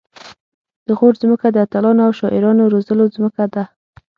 د غور ځمکه د اتلانو او شاعرانو د روزلو ځمکه ده